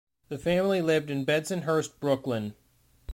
The family lived in Bensonhurst, Brooklyn.